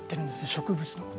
植物のこと。